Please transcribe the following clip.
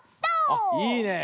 あっいいねえ。